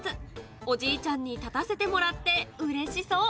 おじいちゃんに立たせてもらってうれしそう。